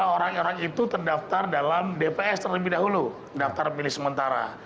lima orang orang itu terdaftar dalam dps terlebih dahulu daftar pemilih sementara